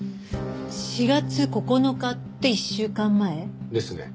４月９日って１週間前？ですね。